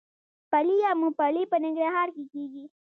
پلی یا ممپلی په ننګرهار کې کیږي.